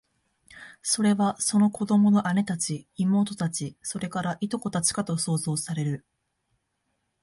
それは、その子供の姉たち、妹たち、それから、従姉妹たちかと想像される